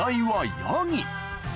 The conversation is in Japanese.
ヤギ。